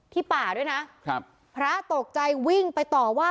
ที่ป่าด้วยนะพระตกใจวิ่งไปต่อว่า